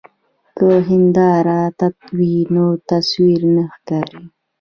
که هنداره تت وي نو تصویر نه ښکاري.